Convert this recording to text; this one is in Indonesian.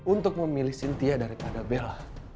untuk memilih cynthia daripada bella